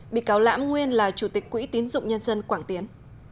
bị cáo lãm nguyên là chủ tịch quỹ tín dụng nhân dân quảng tiến